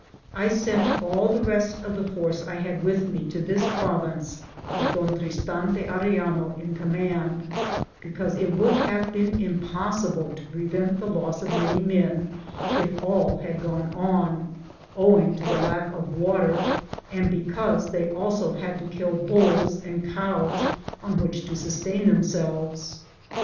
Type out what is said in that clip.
I sent all the rest of the force I had with me to this province, with Don Tristan de Arellano in command, because it would have been impossible to prevent the 216 ligirized I:, G00gk' THE JOURNEY OF CORONADO loss of many men, if all had gone on, owing to the lack of water and because they also had to kill hulls and cows on which to sus tain themselves.